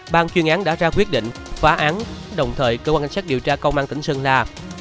ban chuyên án đã ra quyết định phá án đồng thời cơ quan sát điều tra công an tỉnh sơn la